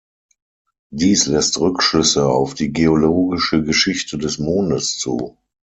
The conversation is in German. Dies lässt Rückschlüsse auf die geologische Geschichte des Mondes zu.